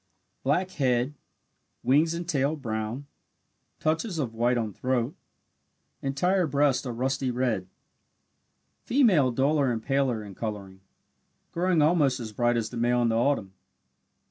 Black head wings and tail brown touches of white on throat entire breast a rusty red. Female duller and paler in colouring, growing almost as bright as the male in the autumn.